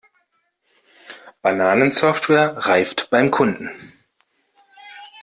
Bananensoftware reift beim Kunden.